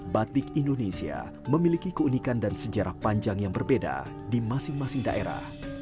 batik indonesia memiliki keunikan dan sejarah panjang yang berbeda di masing masing daerah